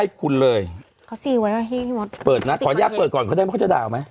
สปืดนะขออนุญาตเกิดก่อนพวกเขาก็จะด่าไหม